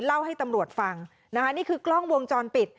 เล่าให้ตำรวจฟังนะคะนี่คือกล้องวงจรปิด